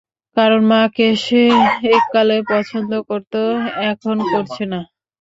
কারণ মাকে সে এককালে পছন্দ করত, এখন করছে না।